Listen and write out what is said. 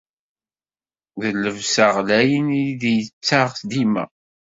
D llebsa ɣlayen i d-tettaɣ dima.